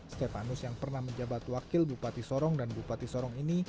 stefanus yang pernah menjabat wakil bupati sorong dan bupati sorong ini